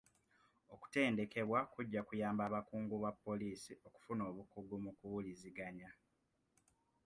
Okutendekebwa kujja kuyamba abakungu ba bapoliisi okufuna obukugu mu kuwuliziganya.